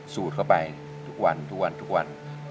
สูตรเข้าไปทุกวันทุกวันทุกวัน